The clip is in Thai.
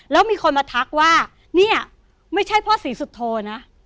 ไปว่านี่ไม่ใช่พ่อศรีสุทธรนะ